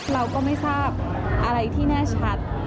เราก็ไม่ทราบอะไรที่แน่ชัด